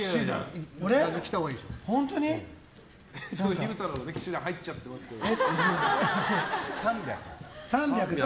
昼太郎も氣志團入っちゃってますけど。